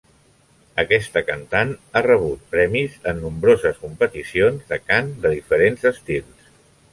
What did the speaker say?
Aquesta cantant ha rebut premis en nombroses competicions de cant de diferents estils.